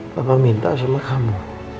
bapak minta sama kamu